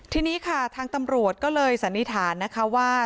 ทีนี้ค่ะทางตำรวจก็เลยสันนิษฐานนะคะว่า